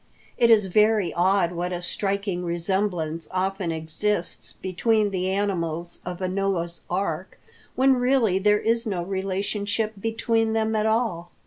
It is very odd what a striking resemblance often exists between the animals of a Noah's Ark when really there is no relationship between them at all.